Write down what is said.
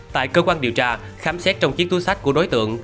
tại cơ quan điều tra khám xét trong chiếc túi sách của đối tượng